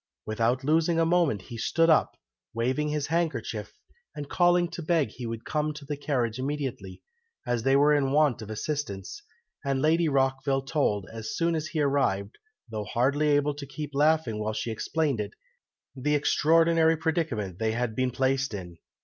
Without losing a moment, he stood up, waving his handkerchief, and calling to beg he would come to the carriage immediately, as they were in want of assistance; and Lady Rockville told, as soon as he arrived, though hardly able to help laughing while she explained it, the extraordinary predicament they had been placed in.